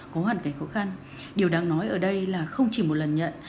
có hoàn cảnh khó khăn điều đáng nói ở đây là không chỉ một lần nhận